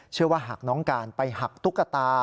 เชื่อว่าหากน้องการไปหักตุ๊กตา